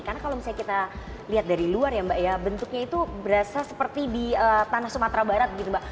karena kalau misalnya kita lihat dari luar ya mbak ya bentuknya itu berasa seperti di tanah sumatera barat gitu mbak